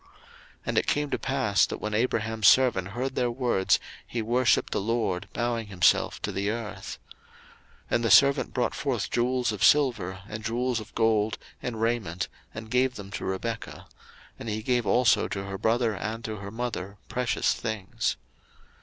01:024:052 And it came to pass, that, when Abraham's servant heard their words, he worshipped the LORD, bowing himself to the earth. 01:024:053 And the servant brought forth jewels of silver, and jewels of gold, and raiment, and gave them to Rebekah: he gave also to her brother and to her mother precious things.